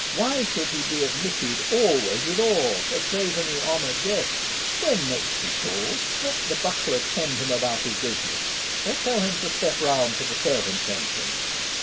Why should he be admitted always with awe, a cravenly honoured guest? When next he calls, let the butler send him about his business, or tell him to step round to the servants' entrance.